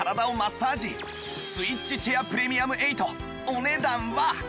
スイッチチェアプレミアム８お値段は